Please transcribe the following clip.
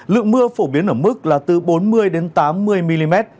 lượng mưa phổ biến ở mức là từ bốn mươi tám mươi mm